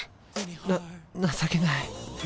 な情けない。